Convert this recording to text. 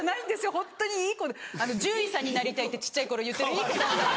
ホントにいい子で獣医さんになりたいって小っちゃい頃言ってるいい子だった。